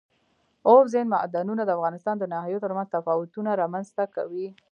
اوبزین معدنونه د افغانستان د ناحیو ترمنځ تفاوتونه رامنځ ته کوي.